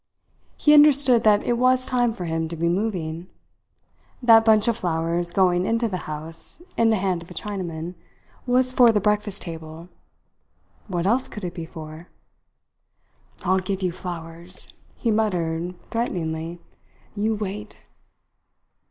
He understood that it was time for him to be moving. That bunch of flowers going into the house in the hand of a Chinaman was for the breakfast table. What else could it be for? "I'll give you flowers!" he muttered threateningly. "You wait!"